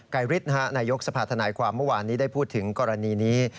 ฤทธิ์นายกสภาธนายความเมื่อวานนี้ได้พูดถึงกรณีนี้